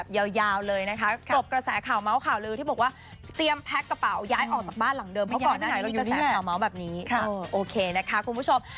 เพราะว่าช่วงนี้อย่าเพิ่งสัมภาษณ์เรื่องนี้ก่อนเลย